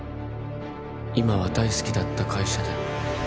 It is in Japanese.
今は大好きだった会社で